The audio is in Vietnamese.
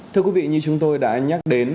thưa quý vị như chúng tôi đã nhắc đến